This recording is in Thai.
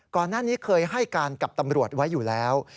ก่อนหน้านี้เคยให้การกับตำรวจไว้อยู่แล้ว